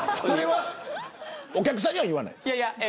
お客さんには言わない。